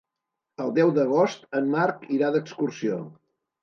El deu d'agost en Marc irà d'excursió.